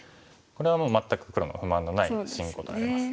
これはもう全く黒の不満のない進行になります。